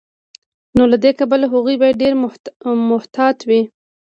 نو له دې کبله هغوی باید ډیر محتاط وي.